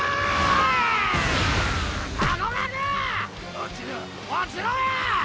落ちろ落ちろや！